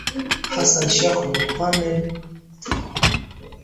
Hassan Sheikh Mohamud alimshukuru Raisi Joe Biden katika ukurasa wa